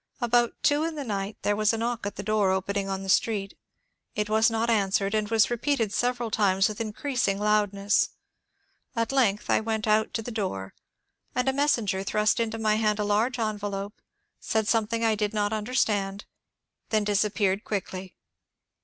About two in the night there was a knock at the door opening on the street It was not an swered, and was repeated several times with increasing loud ness. At length I went out to the door, and a messenger thrust into my hand a large envelope, said something I did not understand, then disappeared quickly.